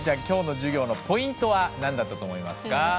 今日の授業のポイントは何だったと思いますか？